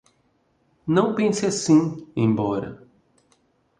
Não pense assim, embora!